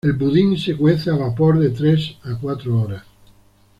El budín se cuece a vapor de tres a cuatro horas.